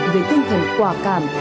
về tinh thần quả cảm